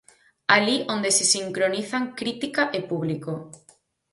Alí onde se sincronizan crítica e público.